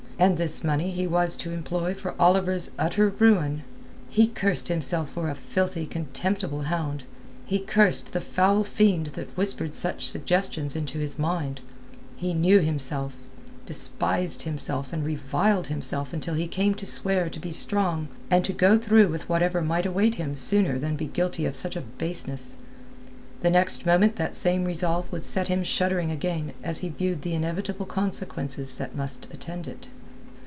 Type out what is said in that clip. And this money he was to employ for Oliver's utter ruin! He cursed himself for a filthy, contemptible hound; he cursed the foul fiend that whispered such suggestions into his mind; he knew himself, despised himself and reviled himself until he came to swear to be strong and to go through with whatever might await him sooner than be guilty of such a baseness; the next moment that same resolve would set him shuddering again as he viewed the inevitable consequences that must attend it.